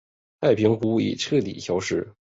太平湖已彻底消失。